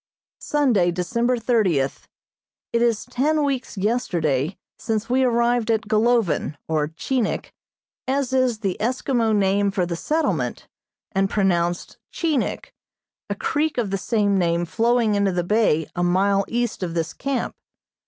Sunday, December thirtieth: It is ten weeks yesterday since we arrived at Golovin, or Chinik, as is the Eskimo name for the settlement, and pronounced Cheenik, a creek of the same name flowing into the bay a mile east of this camp.